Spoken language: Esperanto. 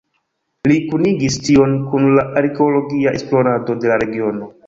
Li kunigis tion kun la arkeologia esplorado de la regiono.